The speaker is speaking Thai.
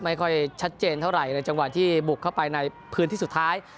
ไม่ค่อยชัดเจนเท่าไหร่ในจังหวะที่บุกเข้าไปในพื้นที่สุดท้าย